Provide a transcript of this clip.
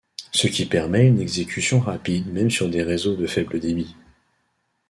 Ce qui permet une exécution rapide même sur des réseaux de faible débit.